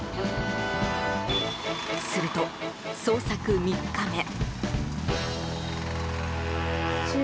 すると、捜索３日目。